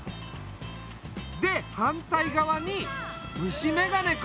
で反対側に虫眼鏡か。